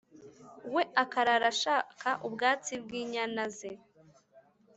we akarara ashaka ubwatsi bw’inyana ze.